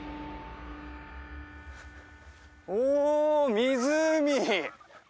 お湖！